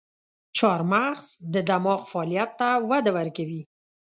چارمغز د دماغ فعالیت ته وده ورکوي.